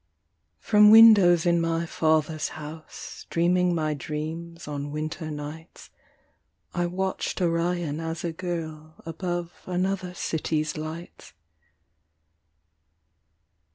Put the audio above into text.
From windows in my father's house, Dreaming my dreams on winter nights, I watched Orion as a girl Above another city's lights.